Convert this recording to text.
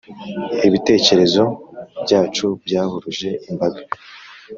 Ibitekerezo byacu byahuruje imbaga